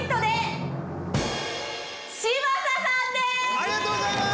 ありがとうございます！